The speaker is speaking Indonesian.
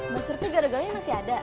maksudnya gara garanya masih ada